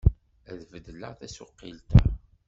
Ad beddleɣ tasuqilt-a.